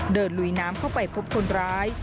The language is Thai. ลุยน้ำเข้าไปพบคนร้าย